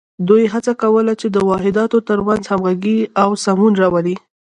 دوی هڅه کوله چې د واحداتو تر منځ همغږي او سمون راولي.